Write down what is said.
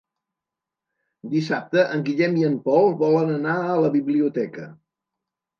Dissabte en Guillem i en Pol volen anar a la biblioteca.